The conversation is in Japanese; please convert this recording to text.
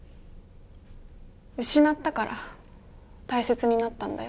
失ったからたいせつになったんだよ。